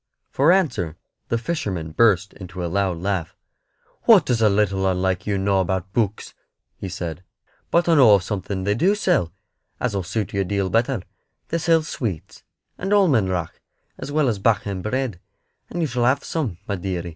For answer the fisherman burst into a loud laugh. "What does a little 'un like you know about books?" he said. "But I know of something they do sell, as 'll suit you a deal better; they sell sweets, and almond rock, as well as 'bacca and bread, and you shall have some, my deary."